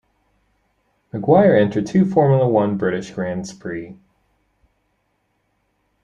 McGuire entered two Formula One British Grands Prix.